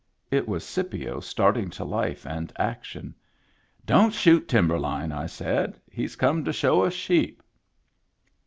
It was Scipio starting to life and action. "Don't shoot Timberline," I said. "He's come to show us sheep."